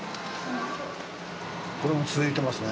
これも続いてますね。